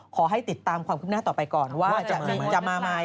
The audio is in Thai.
ขอให้ติดตามความคืบหน้าต่อไปก่อนว่าจะมาไหม